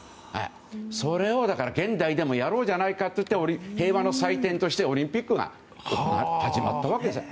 それを現代でもやろうじゃないかと言って平和の祭典としてオリンピックが始まったわけです。